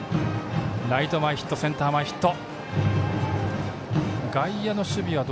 ライト前ヒットセンター前ヒット。